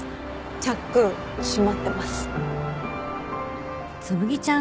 チャック閉まってます。